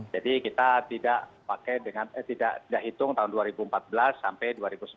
jadi kita tidak hitung tahun dua ribu empat belas sampai dua ribu sebelas